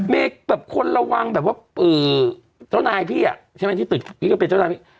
มีคนระวังแบบว่าเจ้านายที่ติดก็เป็นเจ้านาย